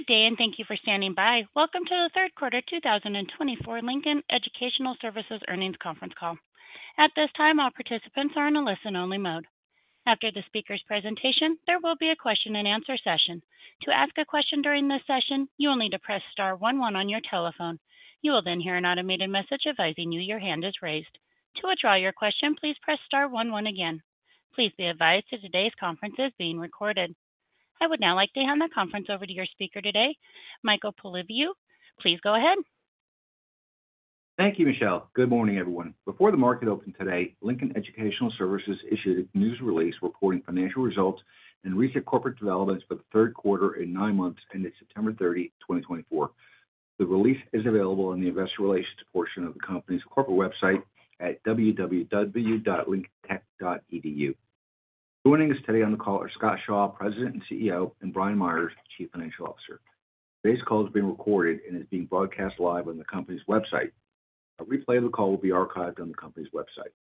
Good day, and thank you for standing by. Welcome to the third quarter 2024 Lincoln Educational Services Earnings Conference Call. At this time, all participants are in a listen-only mode. After the speaker's presentation, there will be a question-and-answer session. To ask a question during this session, you will need to press star one one on your telephone. You will then hear an automated message advising you your hand is raised. To withdraw your question, please press star one one again. Please be advised that today's conference is being recorded. I would now like to hand the conference over to your speaker today, Michael Polyviou. Please go ahead. Thank you, Michelle. Good morning, everyone. Before the market opens today, Lincoln Educational Services issued a news release reporting financial results and recent corporate developments for the third quarter and nine months ended September 30, 2024. The release is available in the investor relations portion of the company's corporate website at www.lincolntech.edu. Joining us today on the call are Scott Shaw, President and CEO, and Brian Meyers, Chief Financial Officer. Today's call is being recorded and is being broadcast live on the company's website. A replay of the call will be archived on the company's website.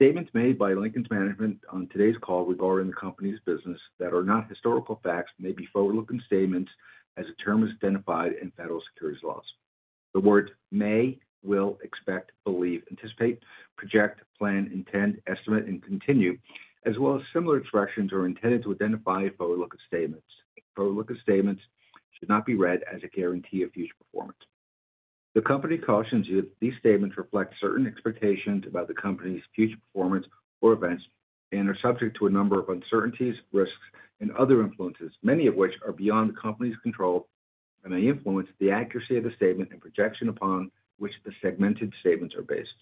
Statements made by Lincoln's management on today's call regarding the company's business that are not historical facts may be forward-looking statements as the term is identified in federal securities laws. The words may, will, expect, believe, anticipate, project, plan, intend, estimate, and continue, as well as similar expressions, are intended to identify forward-looking statements. Forward-looking statements should not be read as a guarantee of future performance. The company cautions you that these statements reflect certain expectations about the company's future performance or events and are subject to a number of uncertainties, risks, and other influences, many of which are beyond the company's control and may influence the accuracy of the statement and projection upon which the segmented statements are based.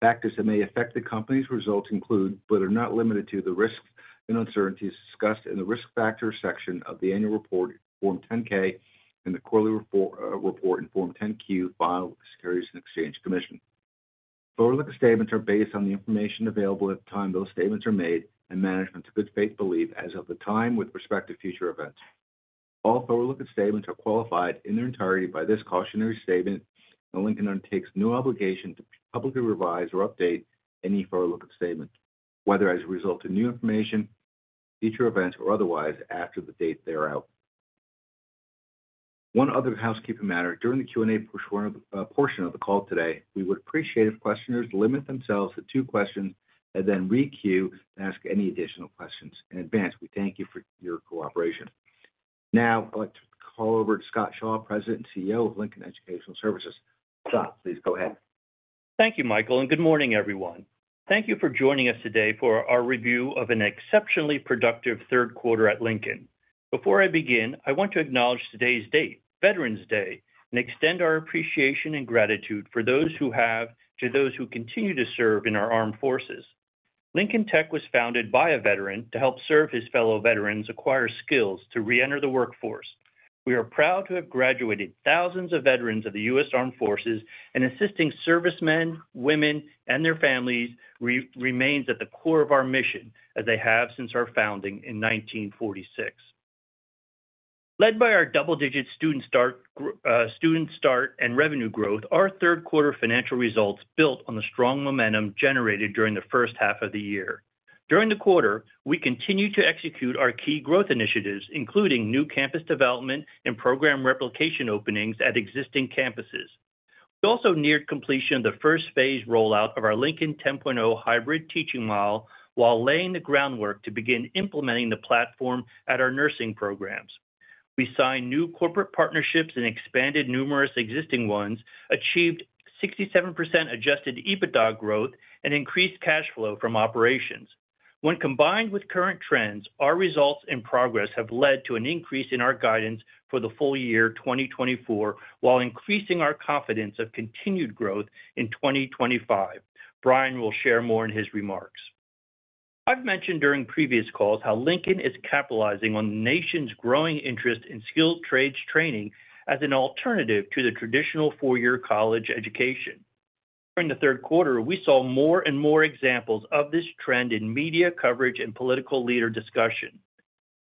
Factors that may affect the company's results include, but are not limited to, the risks and uncertainties discussed in the risk factors section of the annual report, Form 10-K, and the quarterly report, Form 10-Q, filed with the Securities and Exchange Commission. Forward-looking statements are based on the information available at the time those statements are made and management's good faith belief as of the time with respect to future events. All forward-looking statements are qualified in their entirety by this cautionary statement, and Lincoln undertakes no obligation to publicly revise or update any forward-looking statement, whether as a result of new information, future events, or otherwise after the date they are out. One other housekeeping matter: during the Q&A portion of the call today, we would appreciate if questioners limit themselves to two questions and then re-queue to ask any additional questions. In advance, we thank you for your cooperation. Now, I'd like to call over to Scott Shaw, President and CEO of Lincoln Educational Services. Scott, please go ahead. Thank you, Michael, and good morning, everyone. Thank you for joining us today for our review of an exceptionally productive third quarter at Lincoln. Before I begin, I want to acknowledge today's date, Veterans Day, and extend our appreciation and gratitude for those who have to those who continue to serve in our armed forces. Lincoln Tech was founded by a veteran to help serve his fellow veterans acquire skills to re-enter the workforce. We are proud to have graduated thousands of veterans of the U.S. Armed Forces, and assisting servicemen, women, and their families remains at the core of our mission as they have since our founding in 1946. Led by our double-digit student start and revenue growth, our third quarter financial results built on the strong momentum generated during the first half of the year. During the quarter, we continue to execute our key growth initiatives, including new campus development and program replication openings at existing campuses. We also neared completion of the first phase rollout of our Lincoln 10.0 hybrid teaching model while laying the groundwork to begin implementing the platform at our nursing programs. We signed new corporate partnerships and expanded numerous existing ones, achieved 67% adjusted EBITDA growth, and increased cash flow from operations. When combined with current trends, our results and progress have led to an increase in our guidance for the full year 2024 while increasing our confidence of continued growth in 2025. Brian will share more in his remarks. I've mentioned during previous calls how Lincoln is capitalizing on the nation's growing interest in skilled trades training as an alternative to the traditional four-year college education. During the Q3, we saw more and more examples of this trend in media coverage and political leader discussion.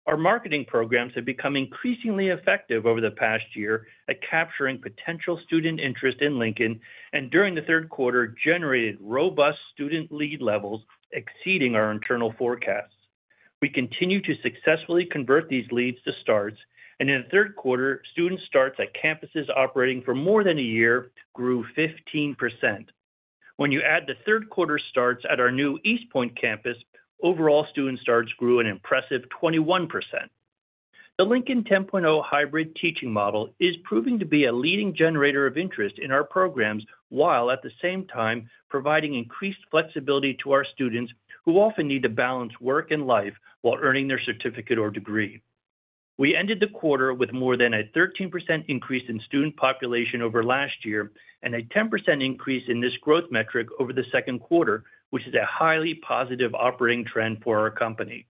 Our marketing programs have become increasingly effective over the past year at capturing potential student interest in Lincoln, and during the third quarter, generated robust student lead levels exceeding our internal forecasts. We continue to successfully convert these leads to starts, and in the third quarter, student starts at campuses operating for more than a year grew 15%. When you add the third quarter starts at our new East Point campus, overall student starts grew an impressive 21%. The Lincoln 10.0 hybrid teaching model is proving to be a leading generator of interest in our programs while, at the same time, providing increased flexibility to our students who often need to balance work and life while earning their certificate or degree. We ended the quarter with more than a 13% increase in student population over last year and a 10% increase in this growth metric over the second quarter, which is a highly positive operating trend for our company.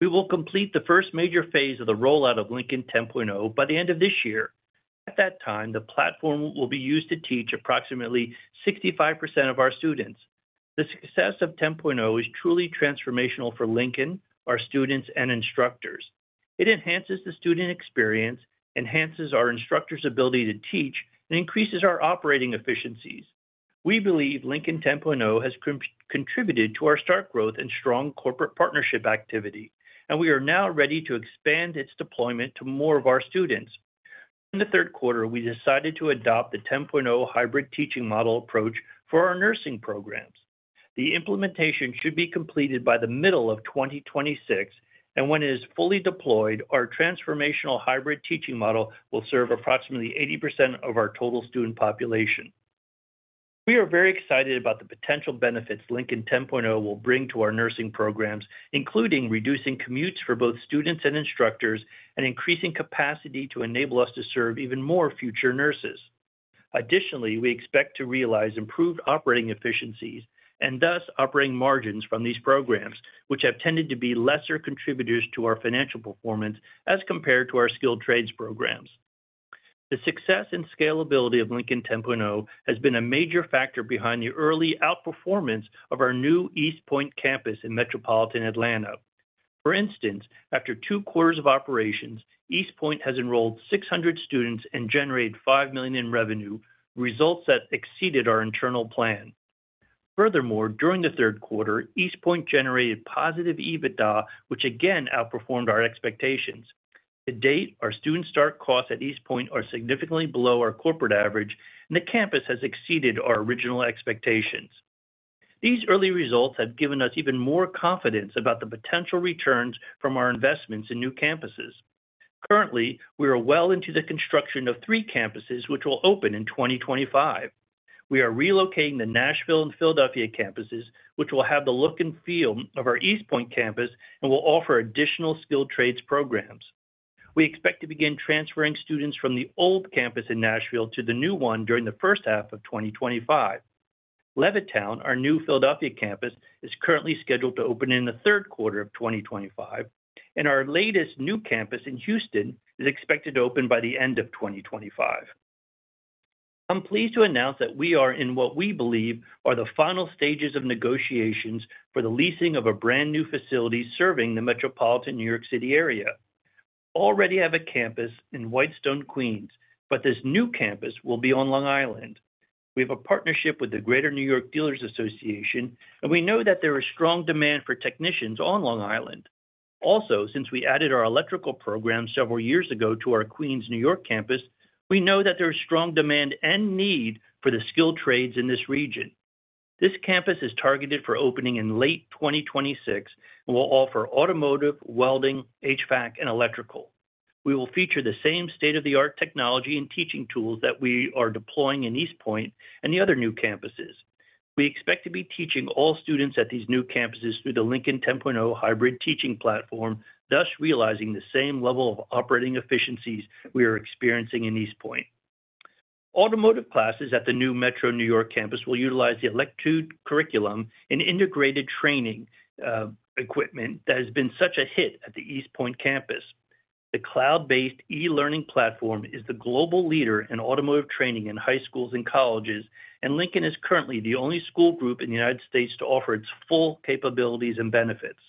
We will complete the first major phase of the rollout of Lincoln 10.0 by the end of this year. At that time, the platform will be used to teach approximately 65% of our students. The success of 10.0 is truly transformational for Lincoln, our students, and instructors. It enhances the student experience, enhances our instructors' ability to teach, and increases our operating efficiencies. We believe Lincoln 10.0 has contributed to our start growth and strong corporate partnership activity, and we are now ready to expand its deployment to more of our students. During the third quarter, we decided to adopt the 10.0 hybrid teaching model approach for our nursing programs. The implementation should be completed by the middle of 2026, and when it is fully deployed, our transformational hybrid teaching model will serve approximately 80% of our total student population. We are very excited about the potential benefits Lincoln 10.0 will bring to our nursing programs, including reducing commutes for both students and instructors and increasing capacity to enable us to serve even more future nurses. Additionally, we expect to realize improved operating efficiencies and thus operating margins from these programs, which have tended to be lesser contributors to our financial performance as compared to our skilled trades programs. The success and scalability of Lincoln 10.0 has been a major factor behind the early outperformance of our new East Point campus in Metropolitan Atlanta. For instance, after two quarters of operations, East Point has enrolled 600 students and generated $5 million in revenue, results that exceeded our internal plan. Furthermore, during the third quarter, East Point generated positive EBITDA, which again outperformed our expectations. To date, our student start costs at East Point are significantly below our corporate average, and the campus has exceeded our original expectations. These early results have given us even more confidence about the potential returns from our investments in new campuses. Currently, we are well into the construction of three campuses, which will open in 2025. We are relocating the Nashville and Philadelphia campuses, which will have the look and feel of our East Point campus and will offer additional skilled trades programs. We expect to begin transferring students from the old campus in Nashville to the new one during the first half of 2025. Levittown, our new Philadelphia campus, is currently scheduled to open in the third quarter of 2025, and our latest new campus in Houston is expected to open by the end of 2025. I'm pleased to announce that we are in what we believe are the final stages of negotiations for the leasing of a brand new facility serving the metropolitan New York City area. We already have a campus in Whitestone, Queens, but this new campus will be on Long Island. We have a partnership with the Greater New York Dealers Association, and we know that there is strong demand for technicians on Long Island. Also, since we added our electrical program several years ago to our Queens, New York campus, we know that there is strong demand and need for the skilled trades in this region. This campus is targeted for opening in late 2026 and will offer automotive, welding, HVAC, and electrical. We will feature the same state-of-the-art technology and teaching tools that we are deploying in East Point and the other new campuses. We expect to be teaching all students at these new campuses through the Lincoln 10.0 hybrid teaching platform, thus realizing the same level of operating efficiencies we are experiencing in East Point. Automotive classes at the new Metro New York campus will utilize the Electude curriculum and integrated training equipment that has been such a hit at the East Point campus. The cloud-based e-learning platform is the global leader in automotive training in high schools and colleges, and Lincoln is currently the only school group in the United States to offer its full capabilities and benefits.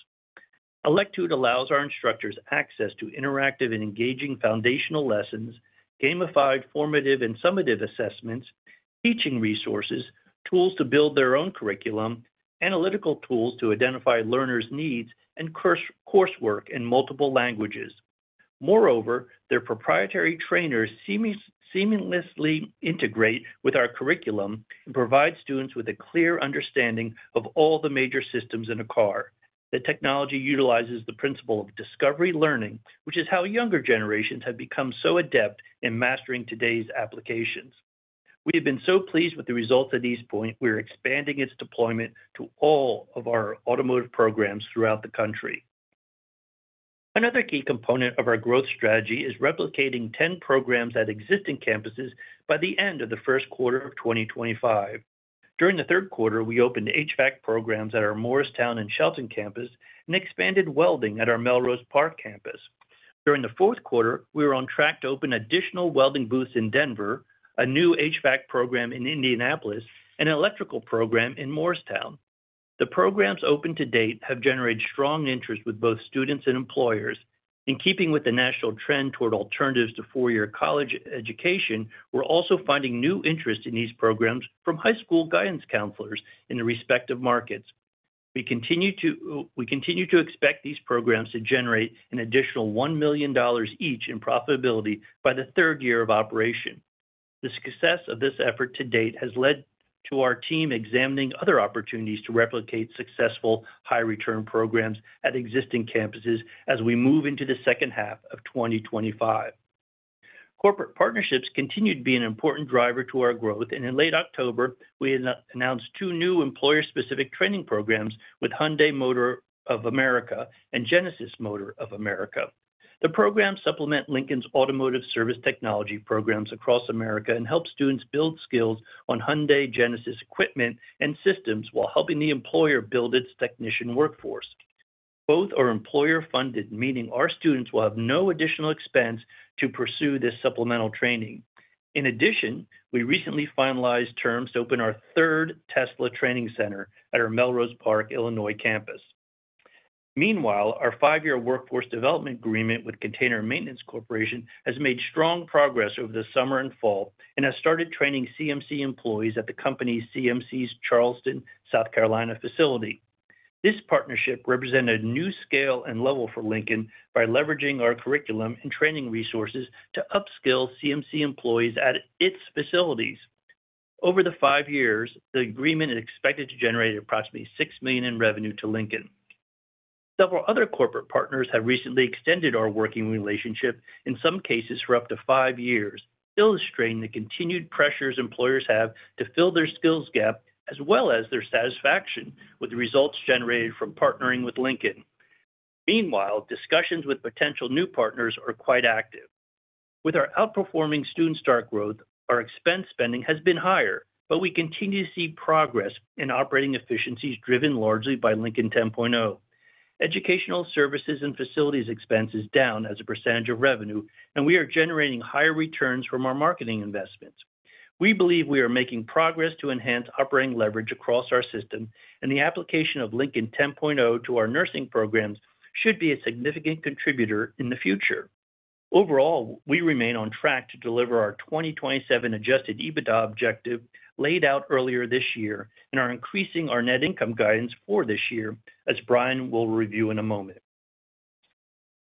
Electude allows our instructors access to interactive and engaging foundational lessons, gamified formative and summative assessments, teaching resources, tools to build their own curriculum, analytical tools to identify learners' needs, and coursework in multiple languages. Moreover, their proprietary trainers seamlessly integrate with our curriculum and provide students with a clear understanding of all the major systems in a car. The technology utilizes the principle of discovery learning, which is how younger generations have become so adept in mastering today's applications. We have been so pleased with the results at East Point. We are expanding its deployment to all of our automotive programs throughout the country. Another key component of our growth strategy is replicating 10 programs at existing campuses by the end of the first quarter of 2025. During the third quarter, we opened HVAC programs at our Moorestown and Shelton campus and expanded welding at our Melrose Park campus. During the fourth quarter, we are on track to open additional welding booths in Denver, a new HVAC program in Indianapolis, and an electrical program in Moorestown. The programs opened to date have generated strong interest with both students and employers. In keeping with the national trend toward alternatives to four-year college education, we're also finding new interest in these programs from high school guidance counselors in respective markets. We continue to expect these programs to generate an additional $1 million each in profitability by the third year of operation. The success of this effort to date has led to our team examining other opportunities to replicate successful high-return programs at existing campuses as we move into the second half of 2025. Corporate partnerships continue to be an important driver to our growth, and in late October, we announced two new employer-specific training programs with Hyundai Motor of America and Genesis Motor of America. The programs supplement Lincoln's automotive service technology programs across America and help students build skills on Hyundai Genesis equipment and systems while helping the employer build its technician workforce. Both are employer-funded, meaning our students will have no additional expense to pursue this supplemental training. In addition, we recently finalized terms to open our third Tesla Training Center at our Melrose Park, Illinois campus. Meanwhile, our five-year workforce development agreement with Container Maintenance Corporation has made strong progress over the summer and fall and has started training CMC employees at the company's Charleston, South Carolina facility. This partnership represented a new scale and level for Lincoln by leveraging our curriculum and training resources to upskill CMC employees at its facilities. Over the five years, the agreement is expected to generate approximately $6 million in revenue to Lincoln. Several other corporate partners have recently extended our working relationship, in some cases for up to five years, illustrating the continued pressures employers have to fill their skills gap as well as their satisfaction with the results generated from partnering with Lincoln. Meanwhile, discussions with potential new partners are quite active. With our outperforming student start growth, our expense spending has been higher, but we continue to see progress in operating efficiencies driven largely by Lincoln 10.0. Educational services and facilities expense is down as a percentage of revenue, and we are generating higher returns from our marketing investments. We believe we are making progress to enhance operating leverage across our system, and the application of Lincoln 10.0 to our nursing programs should be a significant contributor in the future. Overall, we remain on track to deliver our 2027 Adjusted EBITDA objective laid out earlier this year and are increasing our net income guidance for this year, as Brian will review in a moment.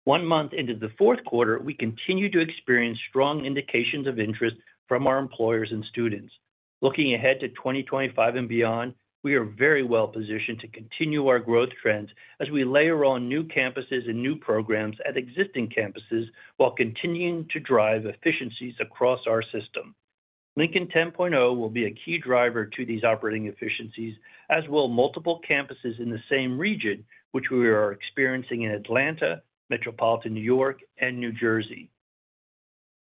One month into the fourth quarter, we continue to experience strong indications of interest from our employers and students. Looking ahead to 2025 and beyond, we are very well positioned to continue our growth trends as we layer on new campuses and new programs at existing campuses while continuing to drive efficiencies across our system. Lincoln 10.0 will be a key driver to these operating efficiencies, as will multiple campuses in the same region, which we are experiencing in Atlanta, Metropolitan New York, and New Jersey.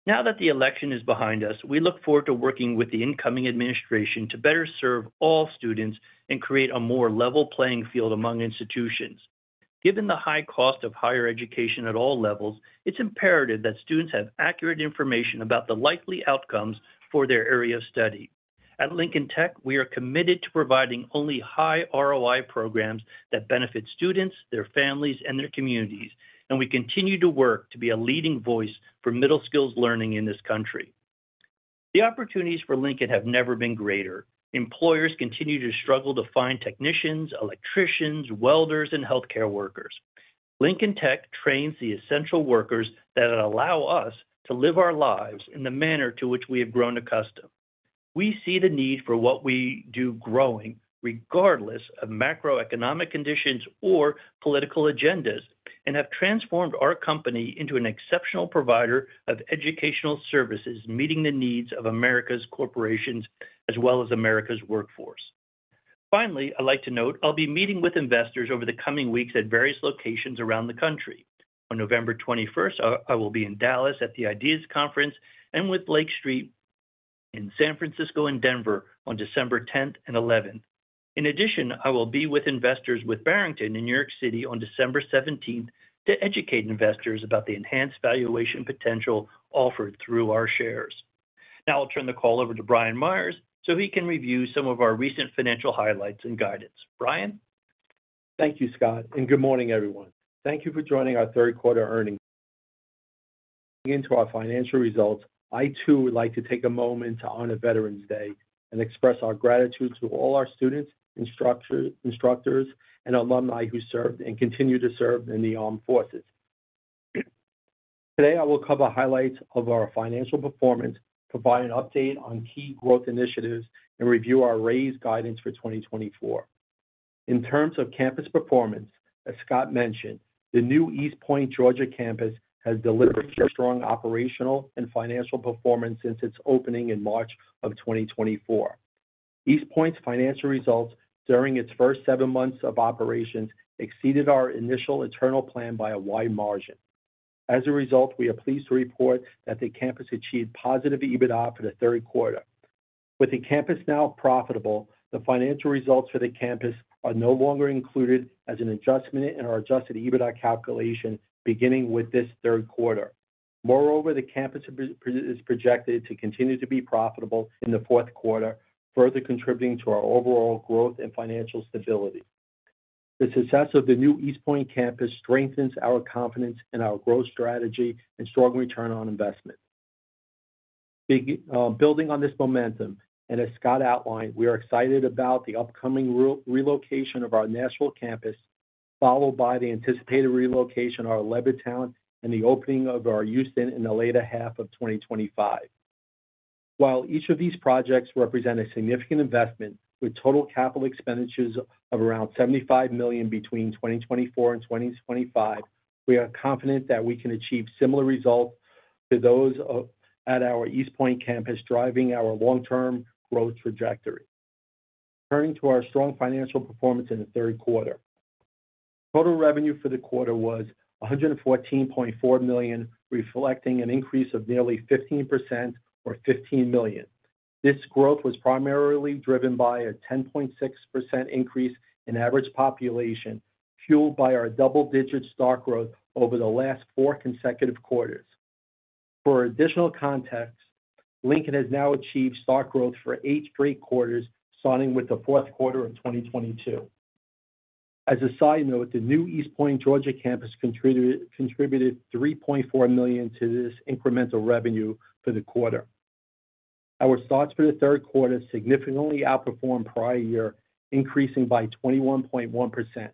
Now that the election is behind us, we look forward to working with the incoming administration to better serve all students and create a more level playing field among institutions. Given the high cost of higher education at all levels, it's imperative that students have accurate information about the likely outcomes for their area of study. At Lincoln Tech, we are committed to providing only high ROI programs that benefit students, their families, and their communities, and we continue to work to be a leading voice for middle-skill learning in this country. The opportunities for Lincoln have never been greater. Employers continue to struggle to find technicians, electricians, welders, and healthcare workers. Lincoln Tech trains the essential workers that allow us to live our lives in the manner to which we have grown accustomed. We see the need for what we do growing, regardless of macroeconomic conditions or political agendas, and have transformed our company into an exceptional provider of educational services meeting the needs of America's corporations as well as America's workforce. Finally, I'd like to note I'll be meeting with investors over the coming weeks at various locations around the country. On November 21st, I will be in Dallas at the IDEAS Conference and with Lake Street in San Francisco and Denver on December 10th and 11th. In addition, I will be with investors with Barrington in New York City on December 17th to educate investors about the enhanced valuation potential offered through our shares. Now I'll turn the call over to Brian Meyers so he can review some of our recent financial highlights and guidance. Brian? Thank you, Scott, and good morning, everyone. Thank you for joining our third quarter earnings. Turning to our financial results, I too would like to take a moment to honor Veterans Day and express our gratitude to all our students, instructors, and alumni who served and continue to serve in the armed forces. Today, I will cover highlights of our financial performance, provide an update on key growth initiatives, and review our raised guidance for 2024. In terms of campus performance, as Scott mentioned, the new East Point, Georgia campus has delivered strong operational and financial performance since its opening in March of 2024. East Point's financial results during its first seven months of operations exceeded our initial internal plan by a wide margin. As a result, we are pleased to report that the campus achieved positive EBITDA for the third quarter. With the campus now profitable, the financial results for the campus are no longer included as an adjustment in our adjusted EBITDA calculation beginning with this third quarter. Moreover, the campus is projected to continue to be profitable in the fourth quarter, further contributing to our overall growth and financial stability. The success of the new East Point campus strengthens our confidence in our growth strategy and strong return on investment. Building on this momentum, and as Scott outlined, we are excited about the upcoming relocation of our Nashville campus, followed by the anticipated relocation of our Levittown and the opening of our Houston in the late half of 2025. While each of these projects represent a significant investment with total capital expenditures of around $75 million between 2024 and 2025, we are confident that we can achieve similar results to those at our East Point campus driving our long-term growth trajectory. Turning to our strong financial performance in the third quarter, total revenue for the quarter was $114.4 million, reflecting an increase of nearly 15% or $15 million. This growth was primarily driven by a 10.6% increase in average population, fueled by our double-digit starts growth over the last four consecutive quarters. For additional context, Lincoln has now achieved starts growth for eight straight quarters, starting with the fourth quarter of 2022. As a side note, the new East Point, Georgia campus contributed $3.4 million to this incremental revenue for the quarter. Our starts for the third quarter significantly outperformed prior year, increasing by 21.1%.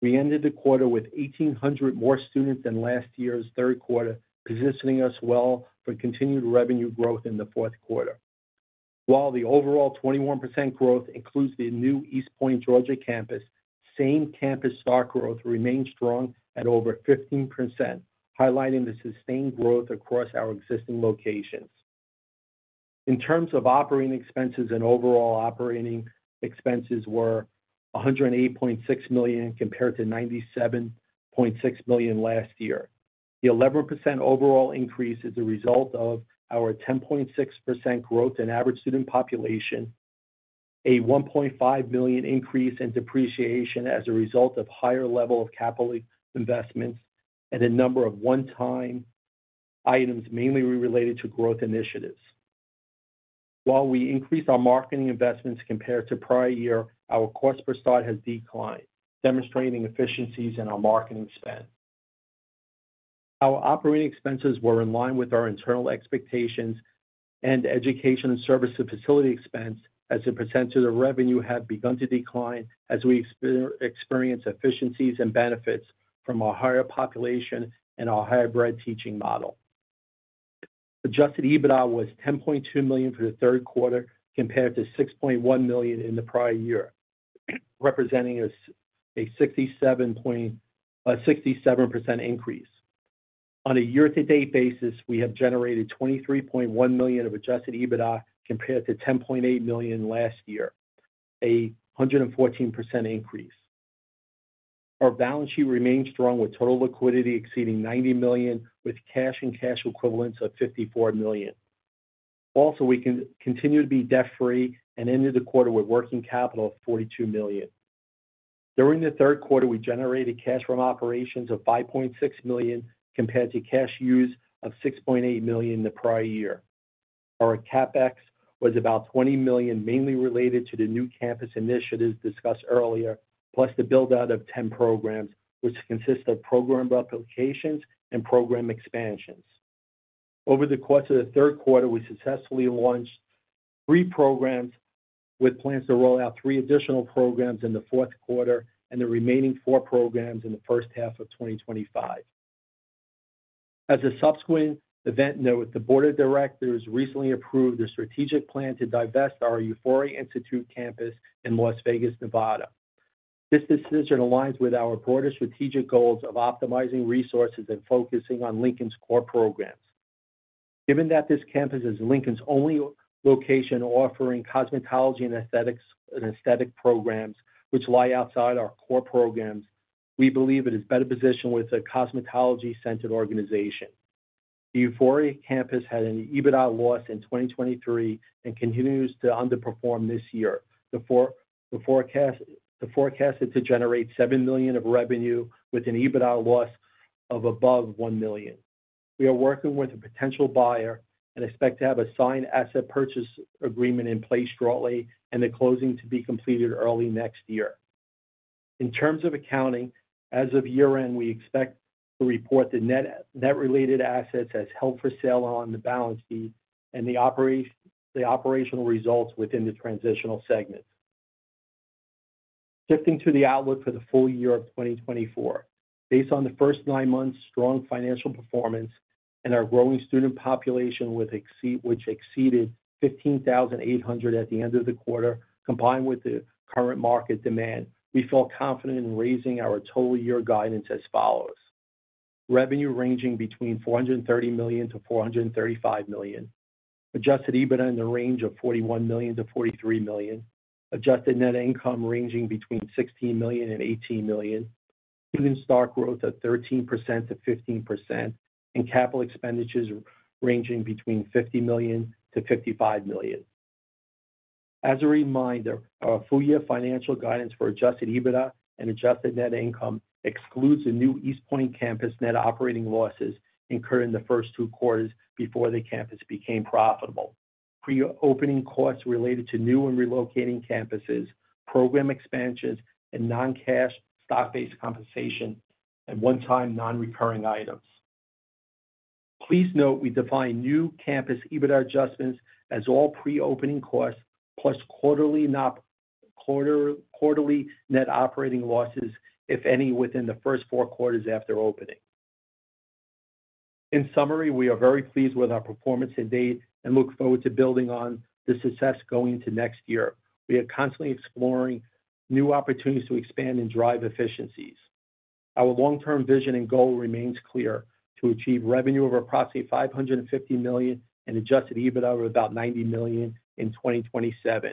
We ended the quarter with 1,800 more students than last year's third quarter, positioning us well for continued revenue growth in the fourth quarter. While the overall 21% growth includes the new East Point, Georgia campus, same campus start growth remained strong at over 15%, highlighting the sustained growth across our existing locations. In terms of operating expenses, overall operating expenses were $108.6 million compared to $97.6 million last year. The 11% overall increase is a result of our 10.6% growth in average student population, a $1.5 million increase in depreciation as a result of higher level of capital investments, and a number of one-time items mainly related to growth initiatives. While we increased our marketing investments compared to prior year, our cost per start has declined, demonstrating efficiencies in our marketing spend. Our operating expenses were in line with our internal expectations, and education and service facility expense, as a percent of the revenue, have begun to decline as we experience efficiencies and benefits from our higher population and our hybrid teaching model. Adjusted EBITDA was $10.2 million for the third quarter compared to $6.1 million in the prior year, representing a 67% increase. On a year-to-date basis, we have generated $23.1 million of adjusted EBITDA compared to $10.8 million last year, a 114% increase. Our balance sheet remains strong with total liquidity exceeding $90 million, with cash and cash equivalents of $54 million. Also, we continue to be debt-free and ended the quarter with working capital of $42 million. During the third quarter, we generated cash from operations of $5.6 million compared to cash use of $6.8 million in the prior year. Our CapEx was about $20 million, mainly related to the new campus initiatives discussed earlier, plus the build-out of 10 programs, which consist of program replications and program expansions. Over the course of the third quarter, we successfully launched three programs, with plans to roll out three additional programs in the fourth quarter and the remaining four programs in the first half of 2025. As a subsequent event note, the Board of Directors recently approved a strategic plan to divest our Euphoria Institute campus in Las Vegas, Nevada. This decision aligns with our broader strategic goals of optimizing resources and focusing on Lincoln's core programs. Given that this campus is Lincoln's only location offering cosmetology and aesthetic programs, which lie outside our core programs, we believe it is better positioned with a cosmetology-centered organization. The Euphoria campus had an EBITDA loss in 2023 and continues to underperform this year. The forecast is to generate $7 million of revenue with an EBITDA loss of above $1 million. We are working with a potential buyer and expect to have a signed asset purchase agreement in place shortly and the closing to be completed early next year. In terms of accounting, as of year-end, we expect to report the net related assets as held for sale on the balance sheet and the operational results within the transitional segments. Shifting to the outlook for the full year of 2024, based on the first nine months' strong financial performance and our growing student population, which exceeded 15,800 at the end of the quarter, combined with the current market demand, we feel confident in raising our total year guidance as follows: revenue ranging between $430 million-$435 million, Adjusted EBITDA in the range of $41 million-$43 million, Adjusted Net Income ranging between $16 million and $18 million, student population growth at 13%-15%, and capital expenditures ranging between $50 million-$55 million. As a reminder, our full year financial guidance for Adjusted EBITDA and Adjusted Net Income excludes the new East Point campus net operating losses incurred in the first two quarters before the campus became profitable, pre-opening costs related to new and relocating campuses, program expansions, and non-cash stock-based compensation, and one-time non-recurring items. Please note we define new campus EBITDA adjustments as all pre-opening costs plus quarterly net operating losses, if any, within the first four quarters after opening. In summary, we are very pleased with our performance to date and look forward to building on the success going into next year. We are constantly exploring new opportunities to expand and drive efficiencies. Our long-term vision and goal remains clear to achieve revenue of approximately $550 million and Adjusted EBITDA of about $90 million in 2027.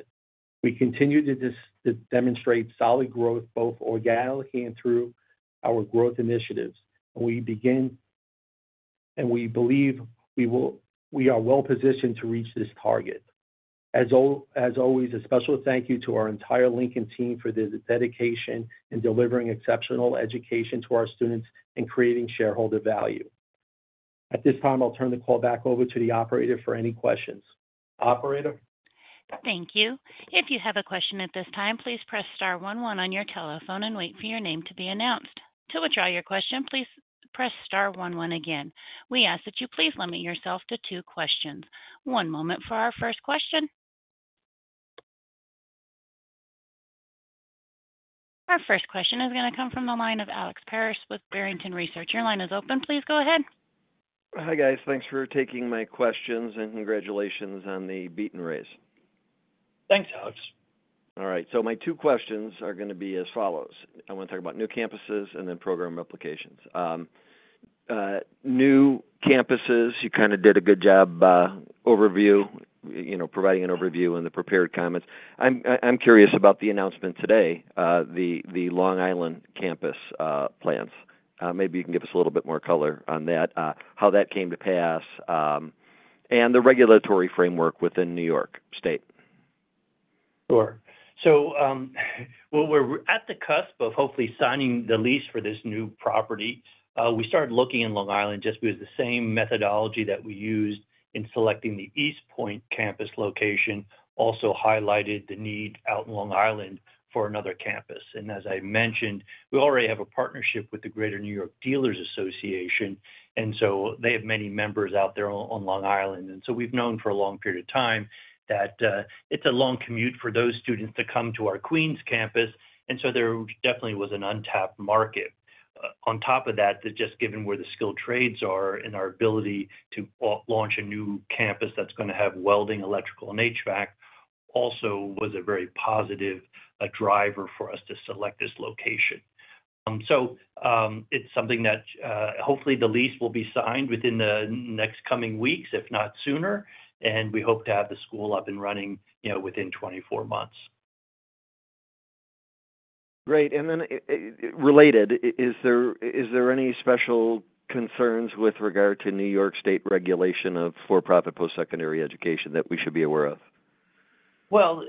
We continue to demonstrate solid growth both organically and through our growth initiatives, and we believe we are well positioned to reach this target. As always, a special thank you to our entire Lincoln team for their dedication in delivering exceptional education to our students and creating shareholder value. At this time, I'll turn the call back over to the operator for any questions. Operator? Thank you. If you have a question at this time, please press star one one on your telephone and wait for your name to be announced. To withdraw your question, please press star one one again. We ask that you please limit yourself to two questions. One moment for our first question. Our first question is going to come from the line of Alex Paris with Barrington Research. Your line is open. Please go ahead. Hi, guys. Thanks for taking my questions and congratulations on the beat and raise. Thanks, Alex. All right. So my two questions are going to be as follows. I want to talk about new campuses and then program replications. New campuses, you kind of did a good job overview, providing an overview in the prepared comments. I'm curious about the announcement today, the Long Island campus plans. Maybe you can give us a little bit more color on that, how that came to pass, and the regulatory framework within New York State. Sure. So we're at the cusp of hopefully signing the lease for this new property. We started looking in Long Island just because the same methodology that we used in selecting the East Point campus location also highlighted the need out in Long Island for another campus. And as I mentioned, we already have a partnership with the Greater New York Dealers Association, and so they have many members out there on Long Island. And so we've known for a long period of time that it's a long commute for those students to come to our Queens campus, and so there definitely was an untapped market. On top of that, just given where the skilled trades are and our ability to launch a new campus that's going to have welding, electrical, and HVAC also was a very positive driver for us to select this location. So it's something that hopefully the lease will be signed within the next coming weeks, if not sooner, and we hope to have the school up and running within 24 months. Great. And then related, is there any special concerns with regard to New York State regulation of for-profit post-secondary education that we should be aware of? Well,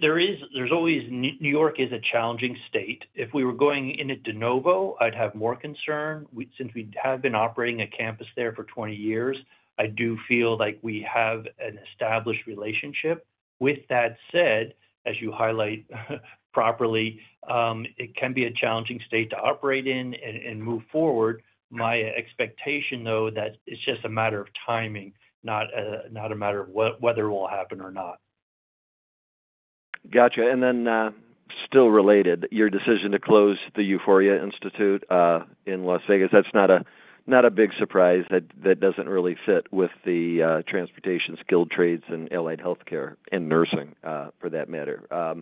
there's always, New York is a challenging state. If we were going into de novo, I'd have more concern. Since we have been operating a campus there for 20 years, I do feel like we have an established relationship. With that said, as you highlight properly, it can be a challenging state to operate in and move forward. My expectation, though, that it's just a matter of timing, not a matter of whether it will happen or not. Gotcha, and then still related, your decision to close the Euphoria Institute in Las Vegas, that's not a big surprise. That doesn't really fit with the transportation, skilled trades, and allied healthcare, and nursing for that matter. I'll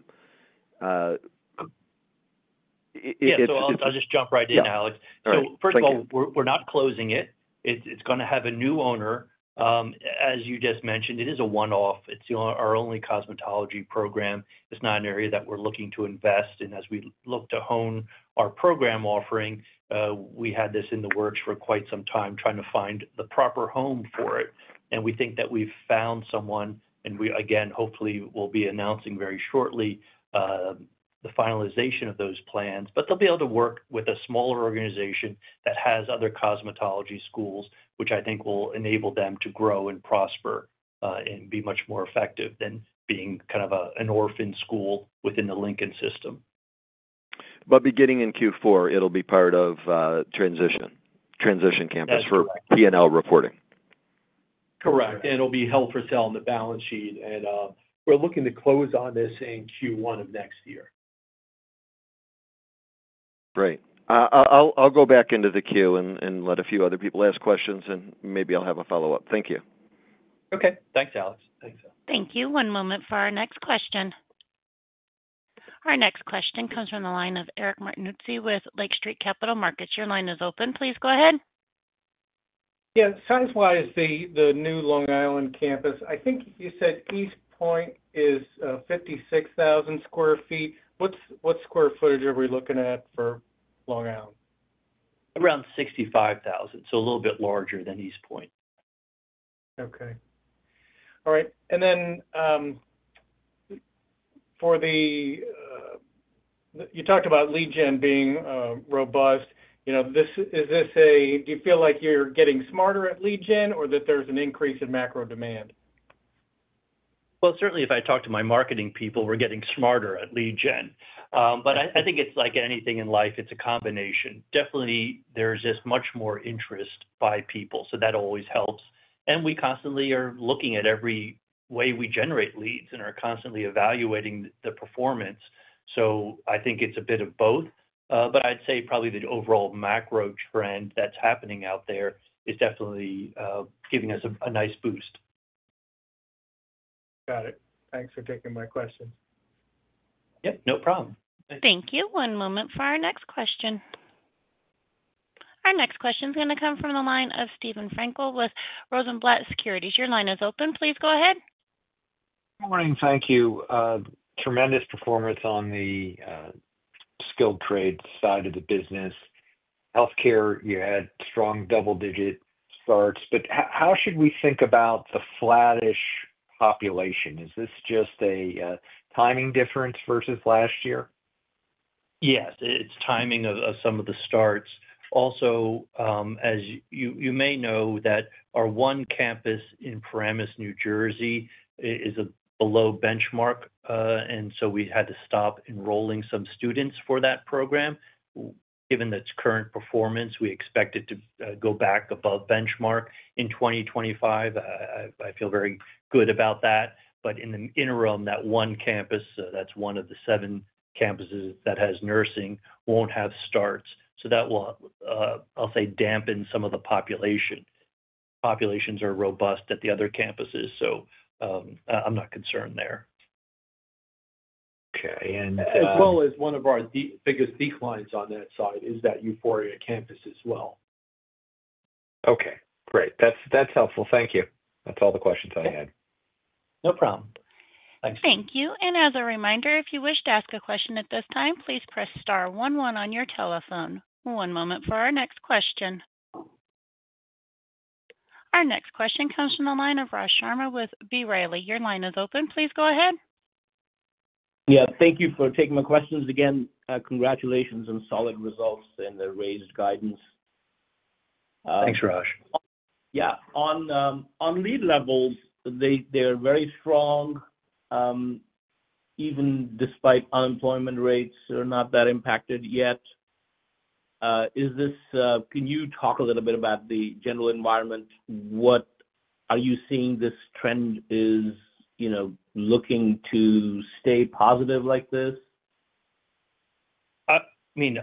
just jump right in, Alex, so first of all, we're not closing it. It's going to have a new owner. As you just mentioned, it is a one-off. It's our only cosmetology program. It's not an area that we're looking to invest, and as we look to hone our program offering, we had this in the works for quite some time trying to find the proper home for it. We think that we've found someone, and we again, hopefully, will be announcing very shortly the finalization of those plans. But they'll be able to work with a smaller organization that has other cosmetology schools, which I think will enable them to grow and prosper and be much more effective than being kind of an orphan school within the Lincoln system. But beginning in Q4, it'll be part of transition campus for P&L reporting. Correct. And it'll be held for sale on the balance sheet. And we're looking to close on this in Q1 of next year. Great. I'll go back into the queue and let a few other people ask questions, and maybe I'll have a follow-up. Thank you. Okay. Thanks, Alex. Thanks. Thank you. One moment for our next question. Our next question comes from the line of Eric Martinuzzi with Lake Street Capital Markets. Your line is open. Please go ahead. Yeah. Size-wise, the new Long Island campus, I think you said East Point is 56,000 sq ft. What square footage are we looking at for Long Island? Around 65,000 sq ft. So a little bit larger than East Point. Okay. All right. And then for the you talked about lead gen being robust. Is this a do you feel like you're getting smarter at lead gen or that there's an increase in macro demand? Well, certainly, if I talk to my marketing people, we're getting smarter at lead gen. But I think it's like anything in life. It's a combination. Definitely, there's just much more interest by people, so that always helps. And we constantly are looking at every way we generate leads and are constantly evaluating the performance. So I think it's a bit of both. But I'd say probably the overall macro trend that's happening out there is definitely giving us a nice boost. Got it. Thanks for taking my questions. Yep. No problem. Thank you. One moment for our next question. Our next question is going to come from the line of Steven Frankel with Rosenblatt Securities. Your line is open. Please go ahead. Good morning. Thank you. Tremendous performance on the skilled trade side of the business. Healthcare, you had strong double-digit starts. But how should we think about the flattish population? Is this just a timing difference versus last year? Yes. It's timing of some of the starts. Also, as you may know, our one campus in Paramus, New Jersey, is below benchmark. And so we had to stop enrolling some students for that program. Given its current performance, we expect it to go back above benchmark in 2025. I feel very good about that. But in the interim, that one campus, that's one of the seven campuses that has nursing, won't have starts. So that will, I'll say, dampen some of the population. Populations are robust at the other campuses, so I'm not concerned there. Okay. And as well as one of our biggest declines on that side is that Euphoria campus as well. Okay. Great. That's helpful. Thank you. That's all the questions I had. No problem. Thanks. Thank you. And as a reminder, if you wish to ask a question at this time, please press star 11 on your telephone. One moment for our next question. Our next question comes from the line of Raj Sharma with B. Riley. Your line is open. Please go ahead. Yeah. Thank you for taking my questions. Again, congratulations on solid results and the raised guidance. Thanks, Raj. Yeah. On lead levels, they are very strong. Even despite unemployment rates, they're not that impacted yet. Can you talk a little bit about the general environment? Are you seeing this trend is looking to stay positive like this? I mean,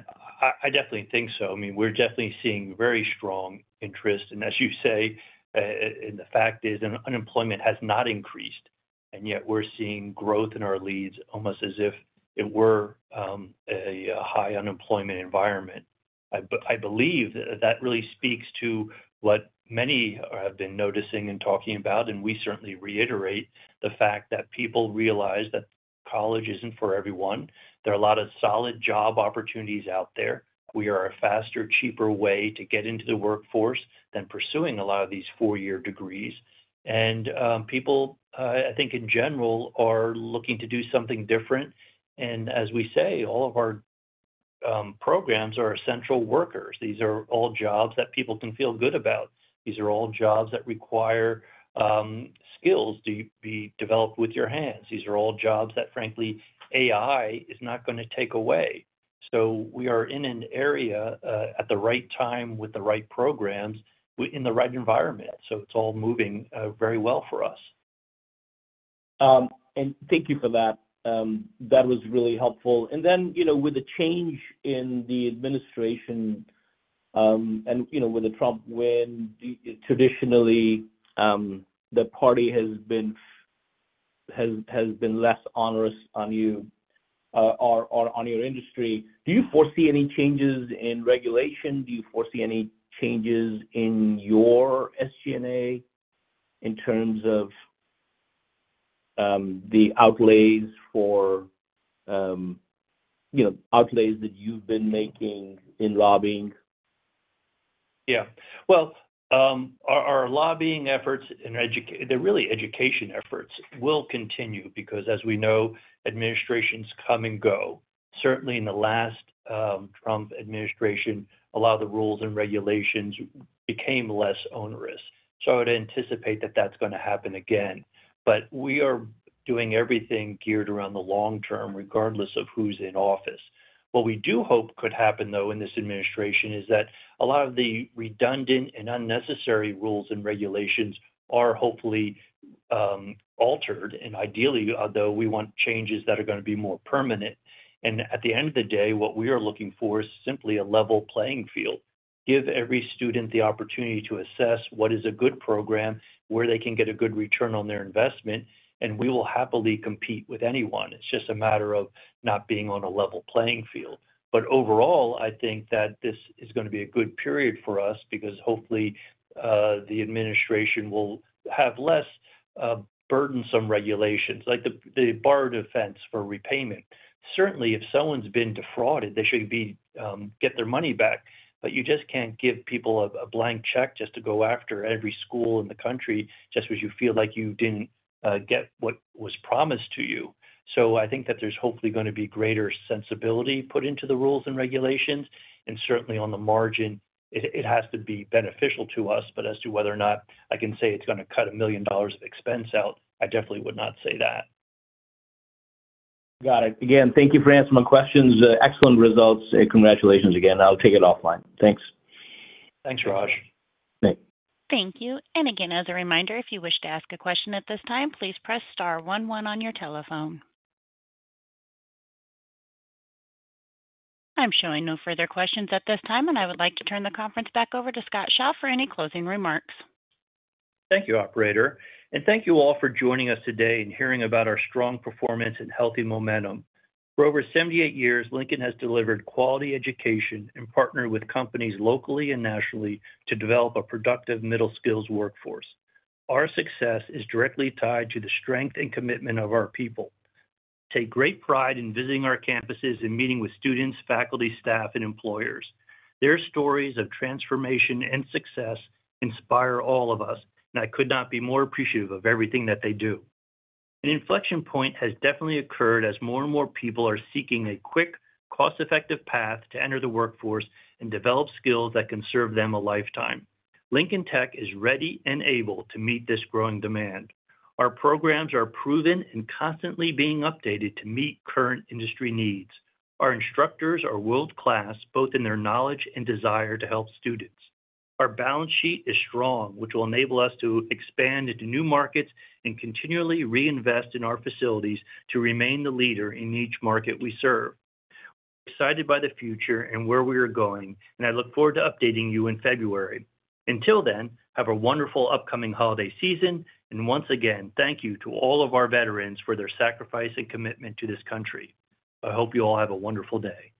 I definitely think so. I mean, we're definitely seeing very strong interest. And as you say, the fact is unemployment has not increased, and yet we're seeing growth in our leads almost as if it were a high unemployment environment. I believe that really speaks to what many have been noticing and talking about. And we certainly reiterate the fact that people realize that college isn't for everyone. There are a lot of solid job opportunities out there. We are a faster, cheaper way to get into the workforce than pursuing a lot of these four-year degrees. And people, I think in general, are looking to do something different. And as we say, all of our programs are essential workers. These are all jobs that people can feel good about. These are all jobs that require skills to be developed with your hands. These are all jobs that, frankly, AI is not going to take away. So we are in an area at the right time with the right programs in the right environment. So it's all moving very well for us. And thank you for that. That was really helpful. And then with the change in the administration and with the Trump win, traditionally, the party has been less onerous on you or on your industry. Do you foresee any changes in regulation? Do you foresee any changes in your SG&A in terms of the outlays that you've been making in lobbying? Yeah. Our lobbying efforts and really education efforts will continue because, as we know, administrations come and go. Certainly, in the last Trump administration, a lot of the rules and regulations became less onerous. So I would anticipate that that's going to happen again. But we are doing everything geared around the long term, regardless of who's in office. What we do hope could happen, though, in this administration is that a lot of the redundant and unnecessary rules and regulations are hopefully altered. And ideally, though, we want changes that are going to be more permanent. And at the end of the day, what we are looking for is simply a level playing field. Give every student the opportunity to assess what is a good program, where they can get a good return on their investment, and we will happily compete with anyone. It's just a matter of not being on a level playing field. But overall, I think that this is going to be a good period for us because hopefully the administration will have less burdensome regulations, like the borrower defense to repayment. Certainly, if someone's been defrauded, they should get their money back. But you just can't give people a blank check just to go after every school in the country just because you feel like you didn't get what was promised to you. So I think that there's hopefully going to be greater sensibility put into the rules and regulations. And certainly, on the margin, it has to be beneficial to us. But as to whether or not I can say it's going to cut $1 million of expense out, I definitely would not say that. Got it. Again, thank you for answering my questions. Excellent results. Congratulations again. I'll take it offline. Thanks. Thanks, Raj. Thank you. And again, as a reminder, if you wish to ask a question at this time, please press star 11 on your telephone. I'm showing no further questions at this time, and I would like to turn the conference back over to Scott Shaw for any closing remarks. Thank you, Operator. And thank you all for joining us today and hearing about our strong performance and healthy momentum. For over 78 years, Lincoln has delivered quality education and partnered with companies locally and nationally to develop a productive middle skills workforce. Our success is directly tied to the strength and commitment of our people. We take great pride in visiting our campuses and meeting with students, faculty, staff, and employers. Their stories of transformation and success inspire all of us, and I could not be more appreciative of everything that they do. An inflection point has definitely occurred as more and more people are seeking a quick, cost-effective path to enter the workforce and develop skills that can serve them a lifetime. Lincoln Tech is ready and able to meet this growing demand. Our programs are proven and constantly being updated to meet current industry needs. Our instructors are world-class, both in their knowledge and desire to help students. Our balance sheet is strong, which will enable us to expand into new markets and continually reinvest in our facilities to remain the leader in each market we serve. We're excited by the future and where we are going, and I look forward to updating you in February. Until then, have a wonderful upcoming holiday season. Once again, thank you to all of our veterans for their sacrifice and commitment to this country. I hope you all have a wonderful day.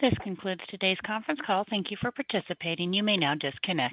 This concludes today's conference call. Thank you for participating. You may now disconnect.